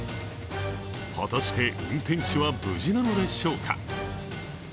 果たして運転手は無事なのでしょうか。